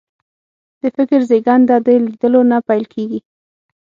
د فکر زېږنده د لیدلو نه پیل کېږي